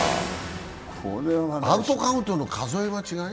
アウトカウントの数え間違い？